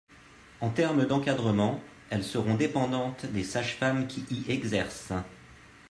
En termes d’encadrement, elles seront dépendantes des sages-femmes qui y exercent.